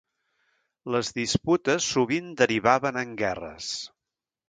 Les disputes sovint derivaven en guerres.